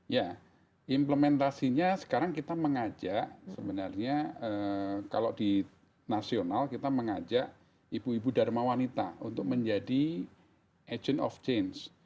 ya implementasinya sekarang kita mengajak sebenarnya kalau di nasional kita mengajak ibu ibu dharma wanita untuk menjadi agent of change